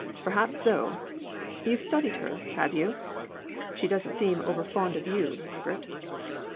"Perhaps so. You've studied her, have you? She doesn't seem over fond of you, Margaret."